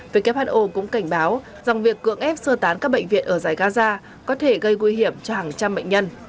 who cũng cảnh báo rằng việc cưỡng ép sơ tán các bệnh viện ở giải gaza có thể gây nguy hiểm cho hàng trăm bệnh nhân